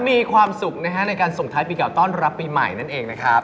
มีความสุขนะฮะในการส่งท้ายปีเก่าต้อนรับปีใหม่นั่นเองนะครับ